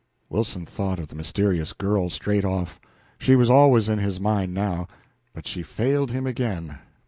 Wilson thought of the mysterious girl straight off. She was always in his mind now. But she failed him again.